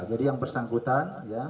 jadi yang bersangkutan